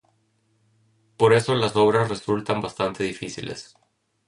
Por eso las obras resultan bastante difíciles.